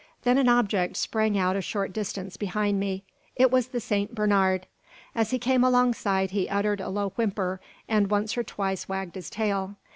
Then an object sprang out a short distance behind me. It was the Saint Bernard. As he came alongside he uttered a low whimper and once or twice wagged his tail.